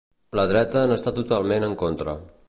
La dreta n'està totalment en contra.